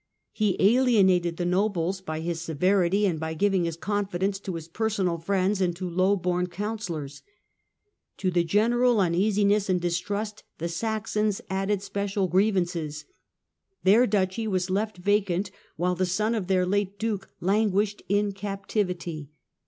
He alienated the nobles by his severity, and by giving his confidence to his personal friends and to low born The Saxon Counsellors. To the general uneasiness and distrust the mi *' Saxons added special grievances. Their duchy was left vacant, while the son of their late duke languished in captivity.